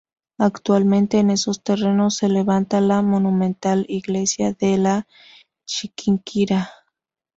Actualmente en esos terrenos se levanta la monumental Iglesia de la Chiquinquirá.